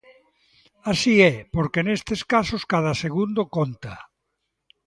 Así é, porque nestes casos cada segundo conta.